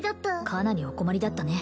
かなりお困りだったね